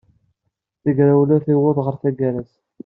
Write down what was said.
Tagrawla tiweḍ ɣer tagar-s.